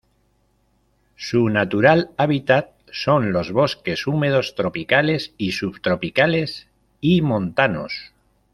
Su natural hábitat son los bosques húmedos tropicales y subtropicales y montanos.